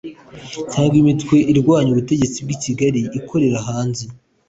cyangwa imitwe irwanya ubutegetsi bw’i kigali ikorera hanze